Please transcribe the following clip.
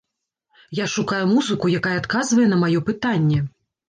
Я шукаю музыку, якая адказвае на маё пытанне.